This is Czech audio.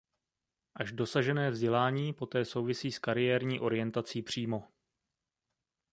Až dosažené vzdělání poté souvisí s kariérní orientací přímo.